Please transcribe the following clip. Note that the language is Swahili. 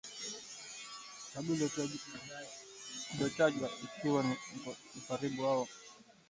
sababu iliyotajwa ikiwa ya ukaribu wao kijografia na mahusiano ya huko nyuma ya kibiashara na nchi hiyo